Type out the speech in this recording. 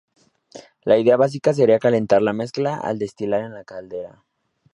La idea básica sería calentar la mezcla a destilar en la caldera.